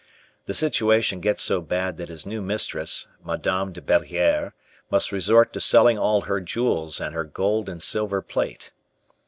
The situation gets so bad that his new mistress, Madame de Belliere, must resort to selling all her jewels and her gold and silver plate.